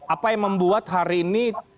apa yang membuat hari ini